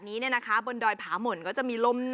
สุดยอดน้ำมันเครื่องจากญี่ปุ่น